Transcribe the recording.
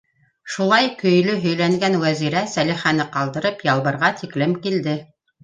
Шулай көйлө һөйләнгән Вәзирә Сәлихәне ҡалдырып Ялбырға тиклем килде.